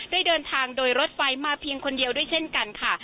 ได้เดินทางโดยรถไฟมาเพียงคนเดียวด้วยเช่นกันค่ะ